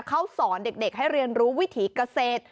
เขาสอนเด็กให้เรียนรู้วิถีเกษตร